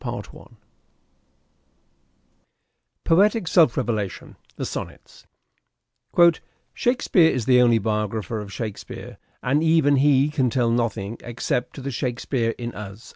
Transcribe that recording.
a8 CHAPTER XV POETIC SELF REVELATION : THE SONNETS " SHAKESPEARE is the only biographer of Shakespeare, and even he can tell nothing except to the Shake peare in us."